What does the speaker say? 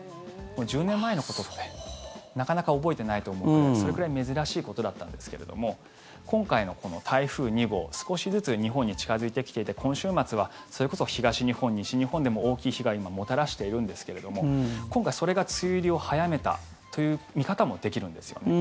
１０年前のことってなかなか覚えてないと思うのでそれくらい珍しいことだったんですけれども今回の台風２号少しずつ日本に近付いてきていて今週末はそれこそ東日本、西日本でも大きい被害をもたらしているんですけれども今回、それが梅雨入りを早めたという見方もできるんですよね。